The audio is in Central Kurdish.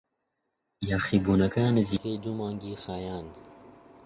یاخیبوونەکە نزیکەی دوو مانگی خایاند.